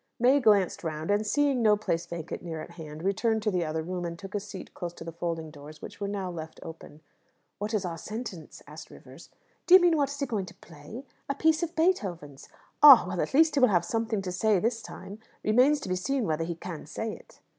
May glanced round, and seeing no place vacant near at hand, returned to the other room, and took a seat close to the folding doors, which were now left open. "What is our sentence?" asked Rivers. "Do you mean what is he going to play? A piece of Beethoven's." "Ah! Well, at least he will have something to say this time. Remains to be seen whether he can say it."